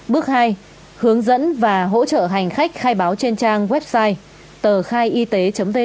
bước hai hướng dẫn và hỗ trợ hành khách khai báo trên trang website